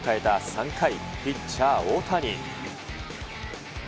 ３回、ピッチャー・大谷。